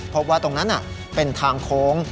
พบว่าตรงนั้นเป็นทางโค้ง